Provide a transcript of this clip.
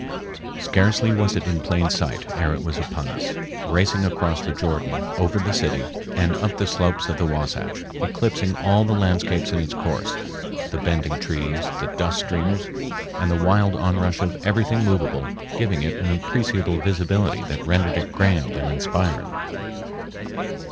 Scarcely was it in plain sight ere it was upon us, racing across the Jordan, over the city, and up the slopes of the Wahsatch, eclipsing all the landscapes in its course—the bending trees, the dust streamers, and the wild onrush of everything movable giving it an appreciable visibility that rendered it grand and inspiring.